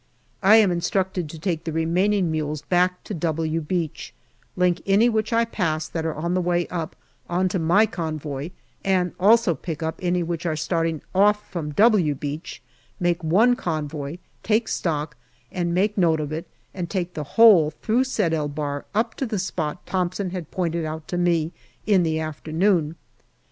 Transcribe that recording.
I am instructed to take the remaining mules back to " W " Beach, link any which I pass, that are on the way up, on to my convoy, and also pick up any which are starting off from " W " Beach, make one convoy, take stock and make a note of it, and take the whole through Sed el Bahr up to the spot Thomson had pointed out to me in the afternoon.